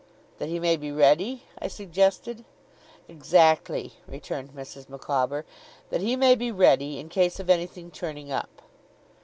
'That he may be ready?' I suggested. 'Exactly,' returned Mrs. Micawber. 'That he may be ready in case of anything turning up.